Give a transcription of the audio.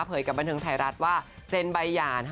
กับบันเทิงไทยรัฐว่าเซ็นใบหย่า